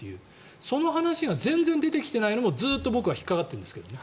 その話が全然出てきていないのも僕は引っかかってるんです。